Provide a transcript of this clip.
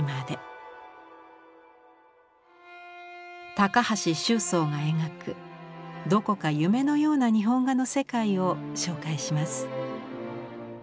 高橋周桑が描くどこか夢のような日本画の世界を紹介します。